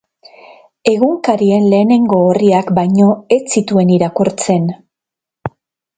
Egunkarien lehenengo orriak baino ez zituen irakurtzen.